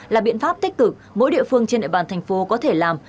là biện pháp tích cực mỗi địa phương trên địa bàn thành phố có thể làm